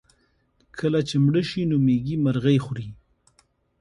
کله چې مړه شي نو مېږي مرغۍ خوري.